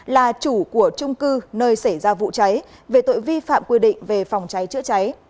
là chủ của trung cư nơi xảy ra vụ cháy về tội vi phạm quy định về phòng cháy chữa cháy